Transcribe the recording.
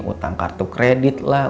utang kartu kredit lah